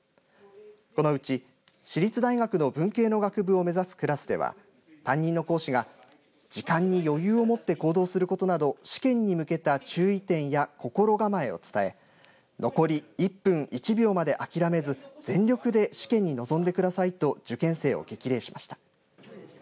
このうち私立大学の文系の学部を目指すクラスでは担任の講師が時間に余裕を持って行動することなど試験に向けた注意点や心構えを伝え残り１分１秒まで諦めず全力で試験に臨んでくださいと受験生を激励しました。